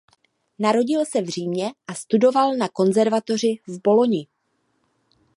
Narodil se v Římě a studoval na konzervatoři v Boloni.